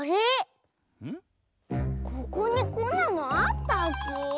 ここにこんなのあったっけ？